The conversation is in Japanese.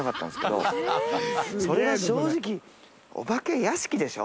それが正直お化け屋敷でしょ？